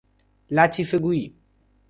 لطیفه گویی